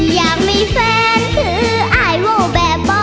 อยากมีแฟนหรืออายโว่แบบบ่